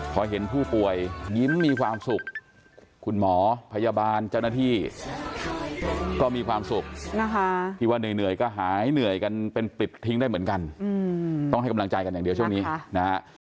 พอเห็นผู้ป่วยยิ้มมีความสุขคุณหมอพยาบาลเจ้าหน้าที่ก็มีความสุขนะคะที่ว่าเหนื่อยก็หายเหนื่อยกันเป็นปลิบทิ้งได้เหมือนกันต้องให้กำลังใจกันอย่างเดียวช่วงนี้นะฮะ